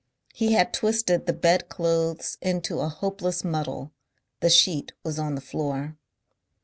He had twisted the bed clothes into a hopeless muddle, the sheet was on the floor.